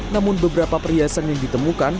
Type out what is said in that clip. namun beberapa perhiasan yang ditemukan